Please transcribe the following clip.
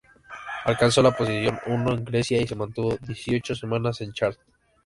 Alcanzó la posición uno en Grecia y se mantuvo dieciocho semanas en el chart.